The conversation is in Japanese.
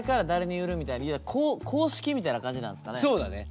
そうだね。